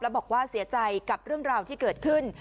บอกว่าเสียใจกับเรื่องราวที่เกิดขึ้น